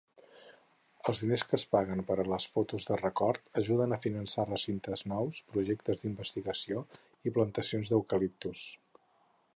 Els diners que es paguen per les fotos de record ajuden a finançar recintes nous, projectes d'investigació i plantacions d'eucaliptus.